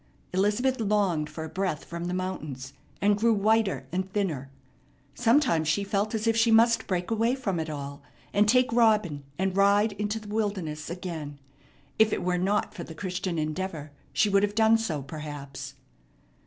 Elizabeth longed for a breath from the mountains, and grew whiter and thinner. Sometimes she felt as if she must break away from it all, and take Robin, and ride into the wilderness again. If it were not for the Christian Endeavor, she would have done so, perhaps.